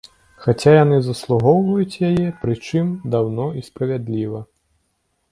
Хаця яны заслугоўваюць яе, прычым, даўно і справядліва.